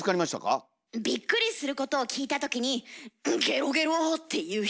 びっくりすることを聞いた時に「ゲロゲロ」って言う人。